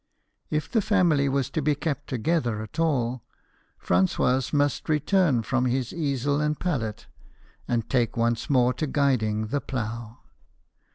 If the family was to be kept together at all, Francois must return from his easel and palette, and take once more to guiding the plough.